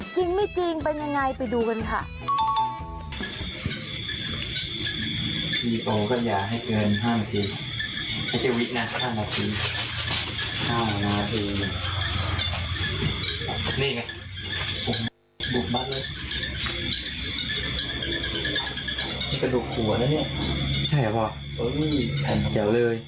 จริงไม่จริงเป็นยังไงไปดูกันค่ะ